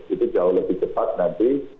itu jauh lebih cepat nanti